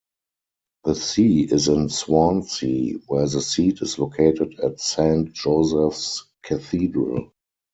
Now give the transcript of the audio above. The see is in Swansea, where the seat is located at Saint Joseph's Cathedral.